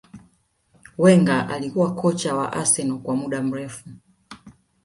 Wenger alikuwa kocha wa arsenal kwa muda mrefu